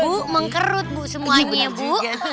bu mengkerut bu semuanya ya bu